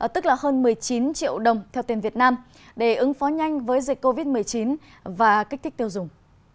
tức là hơn một mươi chín triệu đồng theo tiền việt nam để ứng phó nhanh với dịch covid một mươi chín và kích thích tiêu dùng